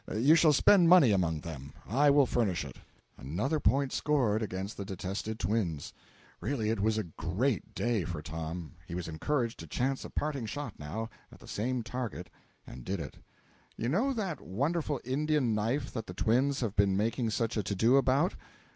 You shall spend money among them; I will furnish it." Another point scored against the detested twins! Really it was a great day for Tom. He was encouraged to chance a parting shot, now, at the same target, and did it. "You know that wonderful Indian knife that the twins have been making such a to do about?